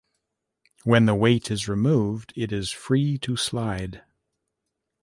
When the weight is removed, it is free to slide.